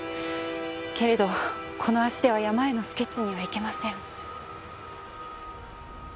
けれどこの足では山へのスケッチには行けません。